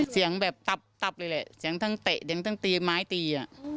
เสียงแบบตับเลยเลยเสียงทั้งเตะยังต้องตีไม้ตี